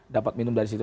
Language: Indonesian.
dapat minum dari situ